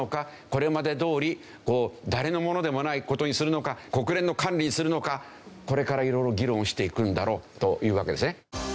これまでどおり誰のものでもない事にするのか国連の管理にするのかこれから色々議論していくんだろうというわけですね。